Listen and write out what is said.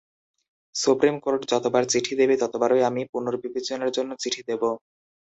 Supreme court যতবার চিঠি দেবে, ততবারই আমি পুনর্বিবেচনার জন্য চিঠি দেব।